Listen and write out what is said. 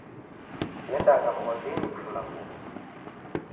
Diendagha mghondinyi kifulanguwo